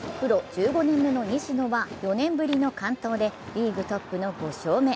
１５年目の西野は４年ぶりの完投でリーグトップの５勝目。